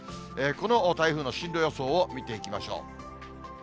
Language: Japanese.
この台風の進路予想を見ていきましょう。